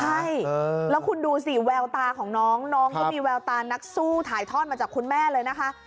ใช่แล้วคุณดูสิแววตาของน้องน้องเขามีแววตานักสู้ถ่ายทอดมาจากคุณแม่เลยนะคะ